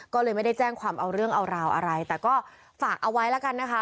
ก็เลยไม่ได้แจ้งความเอาเรื่องเอาราวอะไรแต่ก็ฝากเอาไว้แล้วกันนะคะ